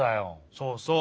そうそう。